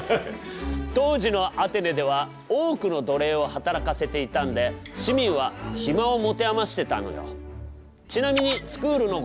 当時のアテネでは多くの奴隷を働かせていたんで市民は暇を持て余してたのよ。